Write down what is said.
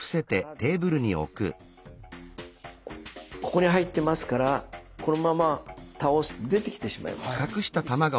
ここに入っていますからこのまま倒すと出てきてしまいます。